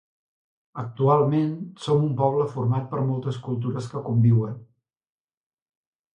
Actualment, som un poble format per moltes cultures que conviuen.